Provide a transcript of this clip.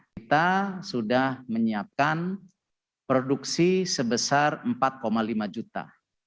kita sudah menyiapkan produksi sebesar empat lima juta